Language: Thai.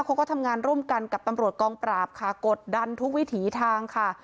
เขาก็ทำงานร่วมกันกับตำรวจกองปราบค่ะกดดันทุกวิถีทางค่ะ